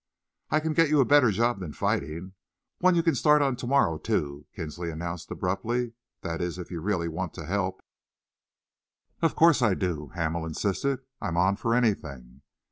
"I can get you a better job than fighting one you can start on to morrow, too," Kinsley announced abruptly, "that is if you really want to help?" "Of course I do," Hamel insisted. "I'm on for anything."